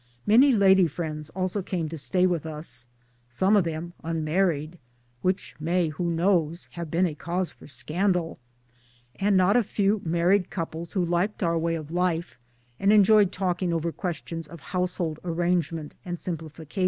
Many lady friends also came to stay with us some of them unmarried (which may, who knows? have been a cause for scandal) ; and not a few married couples who liked our way of life and enjoyed talking over questions of household arrangement and simplification.